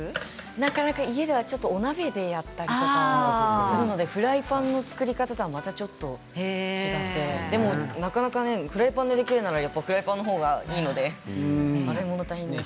なかなか家ではお鍋でやったりとか多かったりするのでフライパンの作り方とはまたちょっと違ってでもなかなかフライパンでできるのがやっぱりフライパンの方がいいなって。